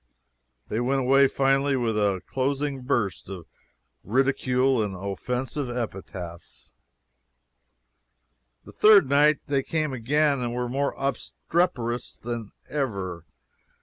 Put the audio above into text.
They went away finally with a closing burst of ridicule and offensive epithets. The third night they came again and were more obstreperous than ever.